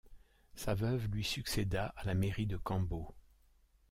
Sa veuve lui succéda à la mairie de Cambo.